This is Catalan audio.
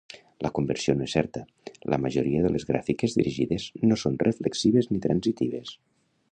La conversió no és certa: la majoria de les gràfiques dirigides no són reflexives ni transitives.